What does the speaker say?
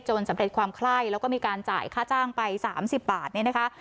จนสำเร็จความไข้แล้วก็มีการจ่ายค่าจ้างไปสามสิบบาทนี่นะคะ